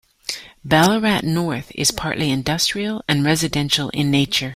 Ballarat North is partly industrial and residential in nature.